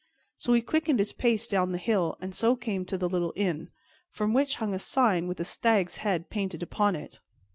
So he quickened his pace down the hill and so came to the little inn, from which hung a sign with a stag's head painted upon it.